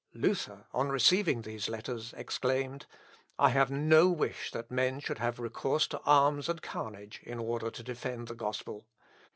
Luther, on receiving these letters, exclaimed "I have no wish that men should have recourse to arms and carnage in order to defend the gospel.